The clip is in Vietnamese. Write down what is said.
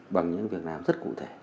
bằng những việc nào rất cụ thể